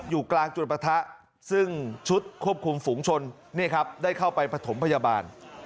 อยู่กลางจุดประทะซึ่งชุดควบคุมฝูงชนนี่ครับได้เข้าไปประถมพยาบาล